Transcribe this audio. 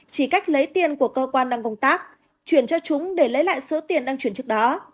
chỉ cách lấy tiền của cơ quan đang công tác chuyển cho chúng để lấy lại số tiền đang chuyển trước đó